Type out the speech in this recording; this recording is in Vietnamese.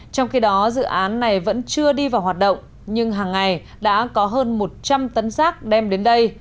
trong khi đó dự án này vẫn chưa đi vào hoạt động nhưng hàng ngày đã có hơn một trăm linh tấn rác đem đến đây